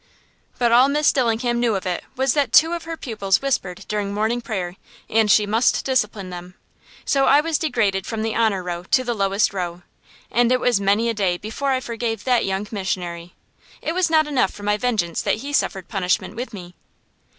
But all Miss Dillingham knew of it was that two of her pupils whispered during morning prayer, and she must discipline them. So I was degraded from the honor row to the lowest row, and it was many a day before I forgave that young missionary; it was not enough for my vengeance that he suffered punishment with me.